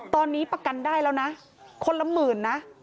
ตอนนี้ประกันได้แล้วนะคนละหมื่นนะ